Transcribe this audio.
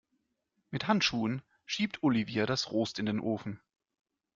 Mit Handschuhen schiebt Olivia das Rost in den Ofen.